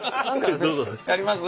やります？